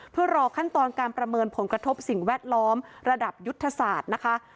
เพื่อรอขั้นตอนการประเมินผลกระทบสิ่งแวดล้อมระดับยุทธศาสตร์นะคะ